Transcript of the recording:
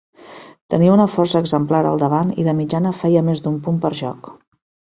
Tenia una força exemplar al davant i de mitjana feia més d'un punt per joc.